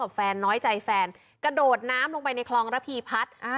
แฟนน้อยใจแฟนกระโดดน้ำลงไปในคลองระพีพัฒน์